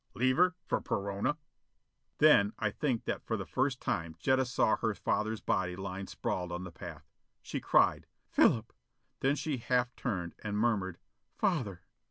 Leave her for Perona?" Then I think that for the first time Jetta saw her father's body lying sprawled on the path. She cried, "Philip!" Then she half turned and murmured: "Father!"